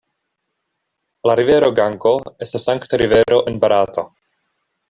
La rivero Gango estas sankta rivero en Barato.